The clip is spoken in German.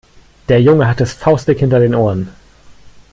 Der Junge hat es faustdick hinter den Ohren.